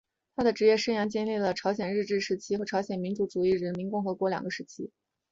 他的职业生涯历经了朝鲜日治时期和朝鲜民主主义人民共和国两个时期。